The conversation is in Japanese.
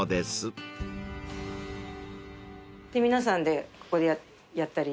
皆さんでここでやったり。